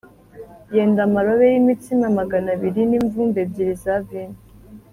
yenda amarobe y’imitsima magana abiri n’imvumba ebyiri za vino